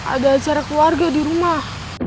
ada acara keluarga di rumah